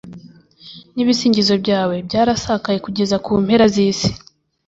n’ibisingizo byawe byarasakaye kugera ku mpera z’isi